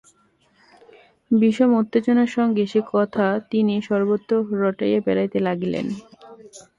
বিষম উত্তেজনার সঙ্গে সে কথা তিনি সর্বত্র রটাইয়া বেড়াইতে লাগিলেন।